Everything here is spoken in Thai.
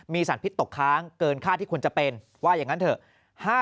มีสารพิษตกค้างเกินค่าที่ควรจะเป็นว่าอย่างนั้นเถอะ